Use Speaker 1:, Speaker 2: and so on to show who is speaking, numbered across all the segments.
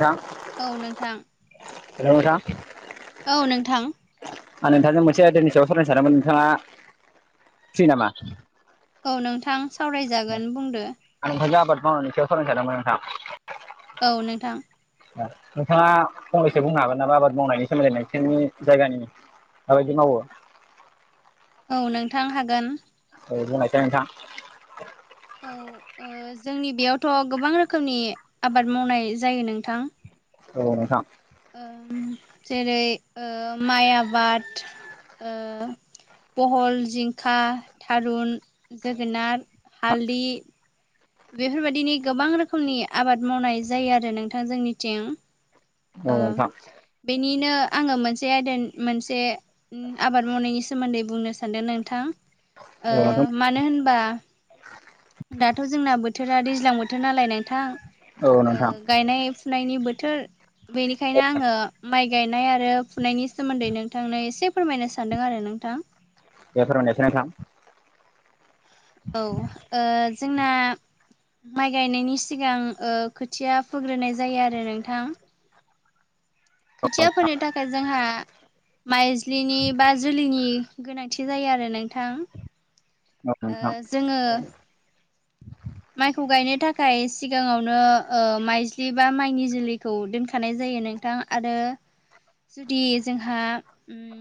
Speaker 1: नोंथां
Speaker 2: औ नोंथां
Speaker 1: हेल नोंथां
Speaker 2: औ नोंथां
Speaker 1: ओ नोंथांजों मोनसे आयदानि सायाव सावरायनो सानदोंमोन नोंथाङा फ्रि नामा
Speaker 2: औ नोंथां सावरायजागोन बुंदो
Speaker 1: आं नोंथांजों आबाद मावनायनि सायाव सावरायनो सानदोंमोन नोंथां
Speaker 2: औ नोंथां
Speaker 1: नोंथाङा फंनैसो बुंनो हागोन नामा आबाद मावनायनि सोमोन्दै नोंसोरनि जायगानि माबायदि मावो
Speaker 2: औ नोंथां हागोन
Speaker 1: औ बुंनायसाय नोंथां
Speaker 2: औ जोंनि बेयावथ' गोबां रोखोमनि आबाद मावनाय जायो नोंथां
Speaker 1: औ नोंथां
Speaker 2: ओम जेरै ओ माइ आबाद ओ बहल जिंखा थारुन जोगोनार हालदै बेफोरबायदिनि गोबां रोखोमनि आबाद मावनाय जायो आरो नोंथां जोंनिथिं
Speaker 1: औ नोंथां
Speaker 2: बेनिनो आङो मोनसे आयदानि मोनसे आबाद मावनायनि सोमोन्दै बुंनो सानदों नोंथां ओ
Speaker 1: औ नोंथां
Speaker 2: मानो होनबा दाथ' जोंना बोथोरा दैज्लां बोथोर नालाय नोंथां
Speaker 1: औ
Speaker 2: ओ
Speaker 1: नोंथां
Speaker 2: गायनाय फुनायनि बोथोर बेनिखायनो आङो माइ गायनाय आरो फुनायनि सोमोन्दै नोंथांनो एसे फोरमायनो सान्दों आरो नोंथां
Speaker 1: दे फोरमायनोसै नोंथां
Speaker 2: औ ओ जोंना माइ गायनायनि सिगां खोथिया फोग्रोनाय जायो आरो नोंथां खोथिया फोनो थाखाय जोंहा माइज्लिनि बा जुलिनि गोनांथि जायो आरो नोंथां
Speaker 1: औ
Speaker 2: ओ
Speaker 1: नोंथां
Speaker 2: जोङो माइखौ गायनो थाखाय सिगाङावनो माइज्लि बा माइनि जोलैखौ दोनखानाय जायो नोंथां आरो जुदि जोंहा ओम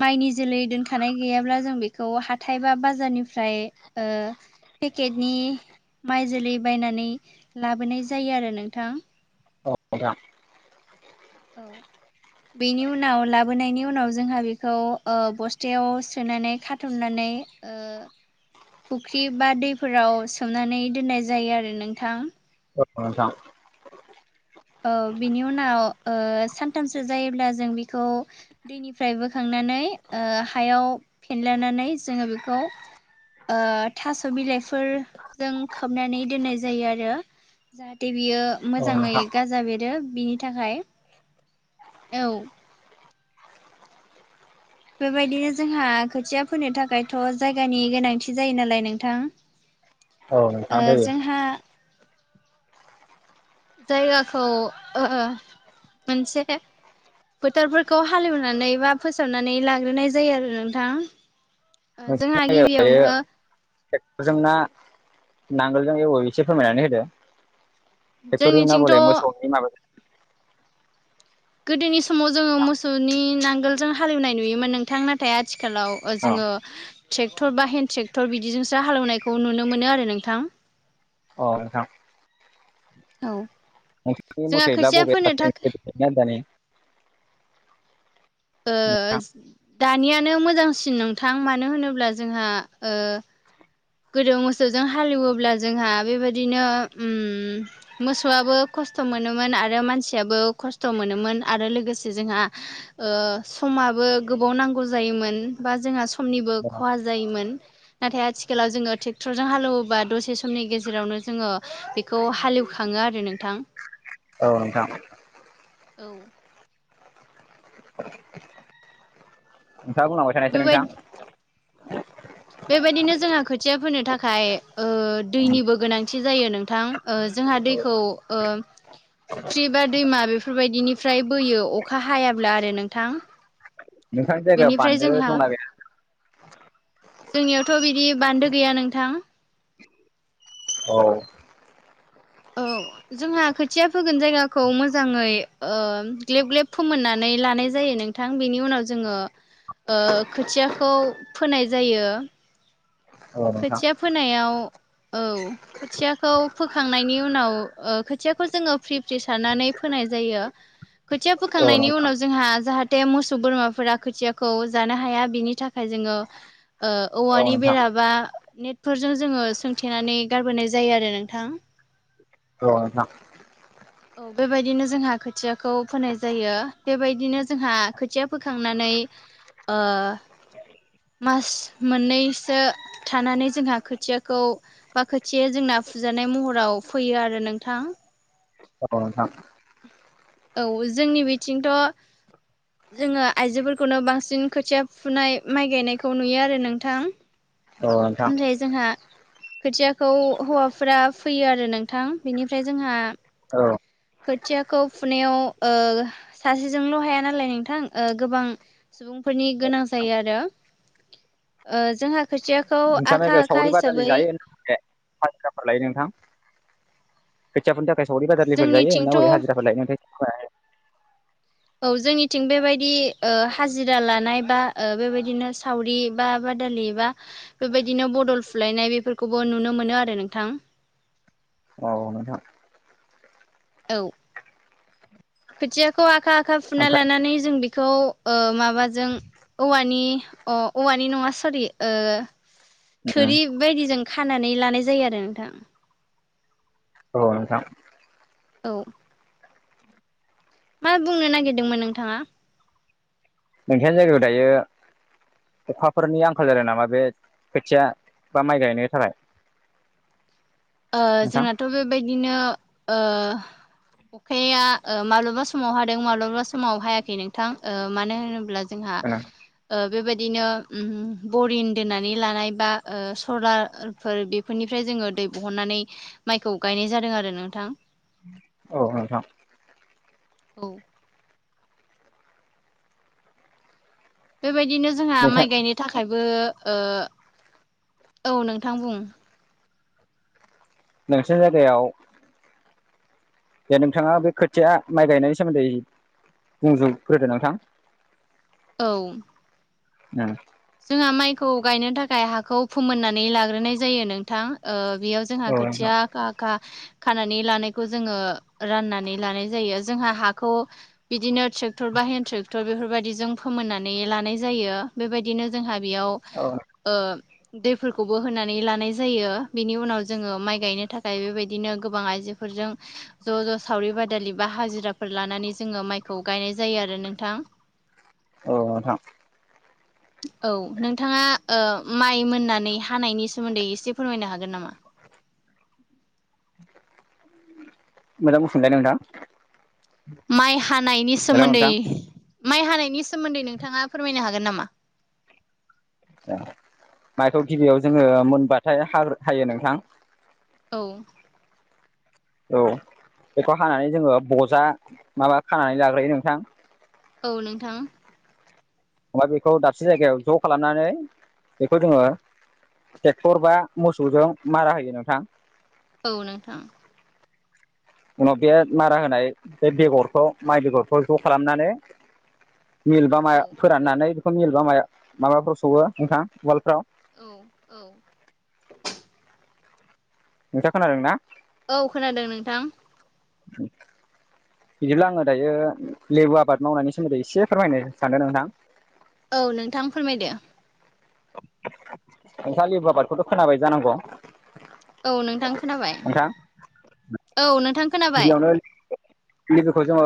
Speaker 2: माइनि जोलै दोनखानाय गैयाब्ला जों बेखौ हाथाय बा बाजारनिफ्राय ओ पेकेटनि माइ जोलै बायनानै लाबोनाय जायो आरो नोंथां
Speaker 1: औ नोंथां
Speaker 2: औ
Speaker 1: [inaudible]
Speaker 2: बेनि उनाव लाबोनायनि उनाव जोंहा बेखौ बस्थायाव सोनानै खाथुमनानै फुख्रि बा दैफोराव सोमनानै दोननाय जायो आरो नोंथां
Speaker 1: औ नोंथां
Speaker 2: औ बिनि उनाव ओ सानथामसो जायोब्ला जों बेखौ दैनिफ्राय बोखांनानै हायाव फेनलानानै जोङो बेखौ थास' बिलाइफोरजों खोबनानै दोननाय जायो आरो जाहाथे बियो
Speaker 1: औ
Speaker 2: मोजाङै
Speaker 1: नोंथां
Speaker 2: गाजा बेरो बिनि थाखाय औ बेबायदिनो जोंहा खोथिया फोनो थाखायथ' जायगानि गोनांथि जायो नालाय नोंथां
Speaker 1: औ नोंथां जायो
Speaker 2: जोंहा जायगाखौ मोनसे [unintelligible] फोथोरफोरखौ हालेएवनानै बा फोसावनानै लाग्रोनाय जायो आरो नोंथां जोंहा गिबियावनो
Speaker 1: जोंना नांगोलजों एवो एसे फोरमायनानै होदो बेफोरो नांगोल
Speaker 2: जोंनिथिंथ'
Speaker 1: बले मोसौनि माबा [unintelligible]
Speaker 2: गोदोनि समाव जोङो मोसौनि नांगोलजों हालेएवनाय नोयोमोन नोंथां नाथाय आथिखालाव
Speaker 1: अ
Speaker 2: जोङो ट्रेक्टर बा हेन्द ट्रेक्टर बिदिजोंसो हालेएवनायखौ नुनो मोनो आरो नोंथां
Speaker 1: अ नोंथां
Speaker 2: औ
Speaker 1: नोंसोरनि
Speaker 2: जोंहा
Speaker 1: मथेब्ला
Speaker 2: खोथिया
Speaker 1: बबेया
Speaker 2: फोनो
Speaker 1: साबसिन
Speaker 2: थाखाय
Speaker 1: होननानै [unintelligible]
Speaker 2: दानियानो मोजांसिन नोंथां मानो होनोब्ला जोंहा गोदो मोसौजों हालेएवोब्ला जोंहा बेबायदिनो मोसौआबो खस्थ' मोनोमोन आरो मानसियाबो खस्थ' मोनोमोन आरो लोगोसे जोंहा समाबो गोबाव नांगौ जायोमोन बा जोंहा समनिबो
Speaker 1: अ
Speaker 2: खहा जायोमोन नाथाय आथिखालाव आथिखालाव जोङो ट्रेक्टरजों हालएवोबा दसे समनि गेजेरावनो जोङो बेखौ हालेएवखाङो आरो नोंथां
Speaker 1: औ नोंथां
Speaker 2: औ
Speaker 1: नोंथाङा बुंलांबाय थानायसै
Speaker 2: बेबाय
Speaker 1: नोंथां
Speaker 2: बेबायदिनो जोंहा खोथिया फोनो थाखाय दैनिबो गोनांथि जायो नोंथां जोंहा दैखौ ओ फुख्रि बा दैमा बेफोरबायदिनिफ्राय बोयो अखा हायाब्ला आरो नोंथां
Speaker 1: नोंथांनि जायगायाव
Speaker 2: बिनिफ्राय
Speaker 1: बान्दो
Speaker 2: जोंहा
Speaker 1: दंना गैया
Speaker 2: जोंनियावथ' बिदि बान्दो गैया नोंथां
Speaker 1: औ
Speaker 2: औ
Speaker 1: [unintelligible]
Speaker 2: जोंहा खोथिया फोगोन जायगाखौ मोजाङै ग्लेब ग्लेब फोमोननानै लानाय जायो नोंथां थां बिनि उनाव जोङो ओ खोथियाखौ फोनाय जायो
Speaker 1: औ नोंथां
Speaker 2: खोथिया फोनायाव औ खोथियाखौ फोखांनायनि उनाव खोथियाखौ ओ जोङो फ्रि फ्रि सारनानै फोनाय जायो खोथिया
Speaker 1: औ
Speaker 2: फोखांनायनि
Speaker 1: नोंथां
Speaker 2: उनाव जोंहा जाहाथे मोसौ बोरमाफोरा खोथियाखौ जानो हाया बिनि थाखाय ओमफ्राय जोङो [unintelligible]
Speaker 1: औ
Speaker 2: औवानि
Speaker 1: नोंथां
Speaker 2: बेरा बा नेटफोरजों जोङो सोंथेनानै गारबोनाय जायो आरो नोंथां
Speaker 1: औ नोंथां
Speaker 2: औ बेबायदिनो जोंहा खोथियाखौ फोनाय जायो बेबायदिनो जोंहा खोथिया फोखांनानै ओ मास मोननैसो थानानै जोंहा खोथियाखौ बा खोथिया जोंना फुजानाय महराव फैयो आरो नोंथां
Speaker 1: औ नोंथां
Speaker 2: औ जोंनि बिथिंथ' जोङो आइजोफोरखौनो बांसिन खोथिया फुनाय माइ गायनायखौ नुयो आरो नोंथां
Speaker 1: [unintelligible]
Speaker 2: उम दे जोंहा खोथियाखौ हौवाफोरा फैयो आरो नोंथां बेनिफ्राय जोंहा
Speaker 1: औ
Speaker 2: खोथियाखौ फुनायाव ओ सासेजोंल' हाया नालाय नोंथां ओ गोबां सुबुंफोरनि गोनां जायो आरो ओ जोंहा खोथिया
Speaker 1: नोंथां लोगो सावरि बादालि जायो हाजिराफोर लायो नोंथां खोथिया फोनो थाखाय सावरि बादालिफोर जायो ना
Speaker 2: जोंनिथिंथ'
Speaker 1: बै
Speaker 2: औ
Speaker 1: हाजिराफोर लायो मोनथाय
Speaker 2: औ जोंनिथिं बेबायदि ओ हाजिरा लानाय बा ओ बेबायदिनो सावरि बा बादालि बा बेबायदिनो बदल फुलायनाय बेफोरखौबो नुनो मोनो आरो नोंथां
Speaker 1: औ नोंथां
Speaker 2: औ खोथियाखौ आखा आखा फुना
Speaker 1: ओमफ्राय
Speaker 2: लानानै जों बेखौ ओ माबाजों औवानि अ औवानि नङा सरि ओ थुरि बायदिजों खानानै लानाय जायो आरो नोंथां
Speaker 1: औ नोंथां
Speaker 2: औ मा बुंनो नागिरदोंमोन नोंथाङा
Speaker 1: मोनसे जायगायाव दायो अखाफोरनि आंखाल जादों नामा बे खोथिया बा माइ गायनो थाखाय
Speaker 2: ओ
Speaker 1: नोंथां
Speaker 2: जोंनाथ' बेबायदिनो ओ अखाया ओ माब्लाबा समाव हादों माब्लाबा समाव हायाखै नोंथां ओ मानो होनोब्ला जोंहा ओ बेबायदिनो उम बरिं दोननानै लानाय बा ओ सलार फोर बेफोरनिफ्राय जोङो दै बहननानै माइखौ गायनाय जादों आरो नोंथां
Speaker 1: औ नोंथां
Speaker 2: औ बेबायदिनो जोंहा
Speaker 1: नोंथां
Speaker 2: माइ गायनो थाखायबो ओ औ नोंथां बुं
Speaker 1: मोनसे जायगायाव दे नोंथाङा बे खोथिया माइ गायनायनि सोमोनदै बुंग्रोदो नोंथां
Speaker 2: औ
Speaker 1: उम
Speaker 2: जोंहा माइखौ गायनो थाखाय हाखौ फोमोननानै लाग्रोनाय जायो नोंथां ओ बेयाव जोंहा
Speaker 1: औ नोंथां
Speaker 2: खोथिया आखा आखा खानानै लानायखौ जोङो राननानै लानाय जायो जोंहा हाखौ बिदिनो ट्रेक्टर बा हेड ट्रेक्टर बेफोरबायदिजों फोमोननानै लानाय जायो बेबायदिनो जोंहा बेयाव
Speaker 1: औ
Speaker 2: ओ दैफोरखौबो होनानै लानाय जायो बिनि उनाव जोङो माइ गायनो थाखाय बेबायदिनो गोबां आइजो फोरजों ज' ज' सावरि बादालि बा हाजिराफोर लानानै जोङो माइखौ गायनाय जायो आरो नोंथां
Speaker 1: औ नोंथां
Speaker 2: औ नोंथाङा ओ माइ मोननानै हानायनि सोमोन्दै एसे फोरमायनो हागोन नामा
Speaker 1: मोजां बुंफिनलाय नोंथां
Speaker 2: माइ हानायनि
Speaker 1: हेलौ
Speaker 2: सोमोन्दै
Speaker 1: नोंथां
Speaker 2: माइ हानायनि सोमोन्दै नोंथाङा फोरमायनो हागोन नामा
Speaker 1: ए माइखौ गिबियाव जोङो मोनबाथाय हा हायो नोंथां
Speaker 2: औ
Speaker 1: औ बेखौ हानानै जोङो बजा माबा खानानै लाग्रोयो नोंथां
Speaker 2: औ नोंथां
Speaker 1: अबबा बेखौ दाबसे जायगायाव ज' खालामनानै बेखौ जोङो ट्रेक्टर बा मोसौजों मारा होयो नोंथां
Speaker 2: औ नोंथां
Speaker 1: उनाव बे मारा होनाय बे बेगरखौ माइ बेगरखौ ज' खालामनानै मिल बा
Speaker 2: औ
Speaker 1: माया फोराननानै बेखौ मिल बा माया माबाफ्राव सौवो नोंथां उवालफ्राव
Speaker 2: औ औ
Speaker 1: नोंथां खोनादों ना
Speaker 2: औ खोनादों नोंथां
Speaker 1: [inaudible] बिदिब्ला आङो दायो लेबु आबाद मावनायनि सोमोन्दै एसे फोरमायनो सानदों नोंथां
Speaker 2: औ नोंथां फोरमायदो
Speaker 1: [unintelligible] सालि आबादखौथ' खोनाबाय जानांगौ
Speaker 2: औ नोंथां खोनाबाय
Speaker 1: नोंथां
Speaker 2: औ नोंथां खोनाबाय
Speaker 1: गिबियावनो लेबुखौ जोङो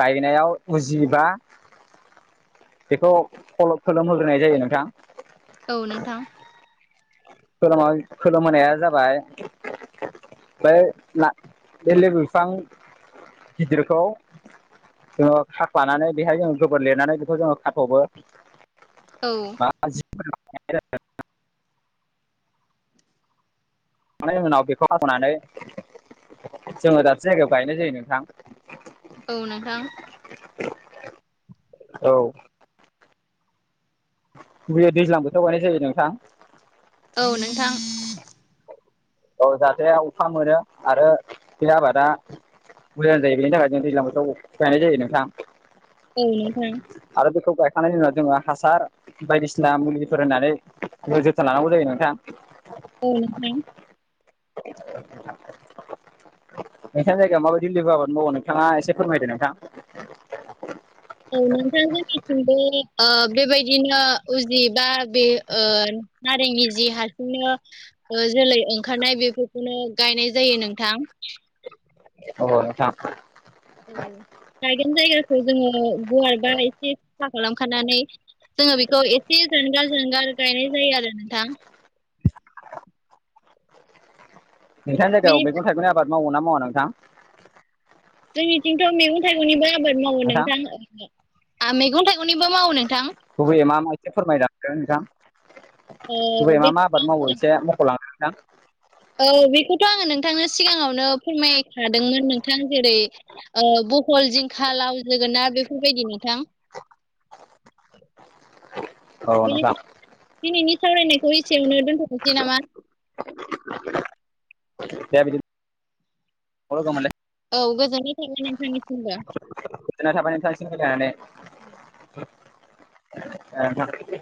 Speaker 1: गायनायाव उजिबा बेखौ फलब खोलोमहोग्रोनाय जायो नोंथां
Speaker 2: औ नोंथां
Speaker 1: खोलोमहोनाया जाबाय ओमफाय ना बे लेबु बिफां गिदिरखौ जोङो खाख्ललानानै बेहाय जोङो गोबोर लिरनानै बेखौ जोङो खाथ'बो
Speaker 2: औ
Speaker 1: [unintelligible] उनाव बेखौ हाखनानै जोङो दाबसे जायगायाव गायनाय जायो नोंथां
Speaker 2: औ नोंथां
Speaker 1: औ बे दैज्लां बोथोराव गायनाय जायो नोंथां
Speaker 2: औ नोंथां
Speaker 1: औ जाहाथे अखा मोनो आरो बे आबादा मोजां जायैनि बेनि थाखाय जों दैज्लां बोथोराव गायनाय जायो नोंथां
Speaker 2: औ नोंथां
Speaker 1: आरो बेखौ गायखांनायनि उनाव जोङो हासार बायदिसिना मुलिफोर होननानै जोथोन लानांगौ जायो नोंथां
Speaker 2: औ नोंथां
Speaker 1: [inaudible] नोंथांनि जायगायाव माबायदि लिबु आबाद मावो नोंथाङा एसे फोरमायदो नोंथां
Speaker 2: औ नोंथां जोंनिथिंबो बेबायदिनो उजि बा बे नारेंनि जि हारसिंनो ओ जोलै ओंखारनाय बेफोरखौनो गायनाय जायो नोंथां
Speaker 1: अ नोंथां
Speaker 2: औ गायगोन जायगाखौ जोङो गुवारबा एसे साफा खालामखानानै जोङो बेखौ एसे जानगार जानगार गायनाय जायो आरो नोंथां
Speaker 1: नोंथांनि जायगायाव
Speaker 2: बिनि
Speaker 1: मैगं थाइगंनि आबाद मावोना मावा नोंथां
Speaker 2: जोंनिथिंथ' मैगं थाइगंनिबो आबाद मावो
Speaker 1: नोंथां
Speaker 2: नोंथां मैगं थाइगंनिबो मावो नोंथां
Speaker 1: गुबैयै मा मा एसे फोरमायलांदो नोंथां
Speaker 2: ओ
Speaker 1: गुबैयै मा
Speaker 2: बेखौ
Speaker 1: मा आबाद मावो
Speaker 2: आङो
Speaker 1: एसे मखलांदो नोंथां
Speaker 2: औ बेखौथ' आङो नोंथांनो सिगाङावनो फोरमायखादोंमोन नोंथां जेरै बहल जिंखा लाव जोगोनार बेफोरबायदि नोंथां
Speaker 1: औ
Speaker 2: बे
Speaker 1: नोंथां
Speaker 2: दिनैनि सावरायनायखौ एसेयावनो दोनथनोसै नामा
Speaker 1: दे बिदि [unintelligible]
Speaker 2: औ गोजोननाय थाबाय नोंथांनिसिमबो
Speaker 1: गोजोननाय थाबाय थांसिम औ नोंथां